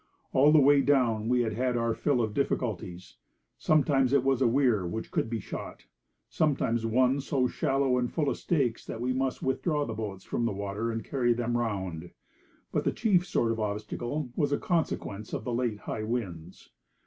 All the way down we had had our fill of difficulties. Sometimes it was a weir which could be shot, sometimes one so shallow and full of stakes that we must withdraw the boats from the water and carry them round. But the chief sort of obstacle was a consequence of the late high winds.